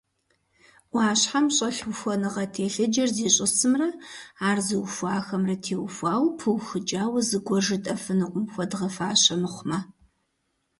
Ӏуащхьэм щӀэлъ ухуэныгъэ телъыджэр зищӀысымрэ ар зыухуахэмрэ теухуауэ пыухыкӀауэ зыгуэр жытӀэфынукъым, хуэдгъэфащэ мыхъумэ.